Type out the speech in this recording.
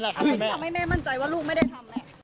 ทำไมแม่มั่นใจว่าลูกไม่ได้ทำ